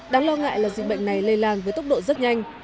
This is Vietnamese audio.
đáng lo ngại là dịch bệnh này lây lan với tốc độ rất nhanh